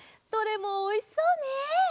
どれもおいしそうね！